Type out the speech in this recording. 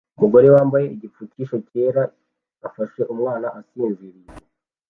Umugore wambaye igipfukisho cyera afashe umwana asinziriye